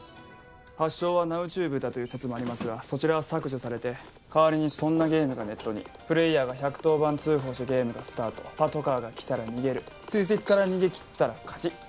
発祥はＮＯＷＴＵＢＥだという説もありますがそちらは削除されて代わりにそんなゲームがネットにプレイヤーが１１０番通報してゲームがスタートパトカーが来たら逃げる追跡から逃げきったら勝ち